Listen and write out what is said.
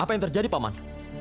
apa yang terjadi pak man